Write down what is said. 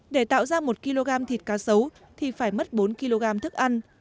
để tạo ra một kg thịt cá sấu thì phải mất bốn kg thức ăn